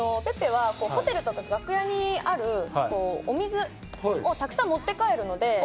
ｐｅｐｐｅはホテルとか楽屋にあるお水をたくさん持って帰るので。